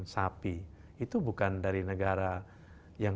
sapi itu bukan dari negara yang